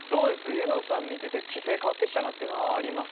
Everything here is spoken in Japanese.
ユノさん見てて姿勢変わってきたなっていうのはあります？